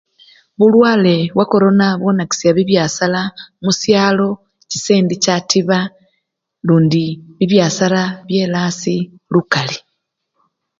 Bulwale bwa corona bwonakisya bibyasara musyalo chisendi chatiba lundi bibyasara byela asii lukali.